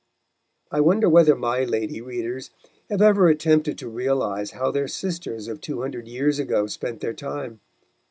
I wonder whether my lady readers have ever attempted to realise how their sisters of two hundred years ago spent their time?